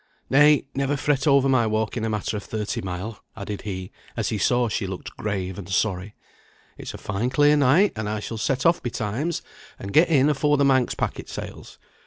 "Nay, never fret over my walking a matter of thirty mile," added he, as he saw she looked grave and sorry. "It's a fine clear night, and I shall set off betimes, and get in afore the Manx packet sails.